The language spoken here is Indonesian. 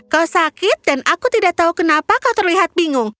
kau sakit dan aku tidak tahu kenapa kau terlihat bingung